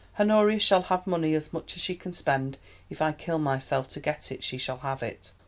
"Honoria shall have money as much as she can spend—if I kill myself to get it, she shall have it.